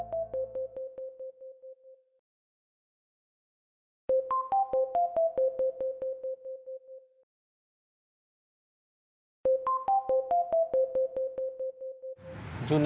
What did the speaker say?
kepala pemerintah mencari keuntungan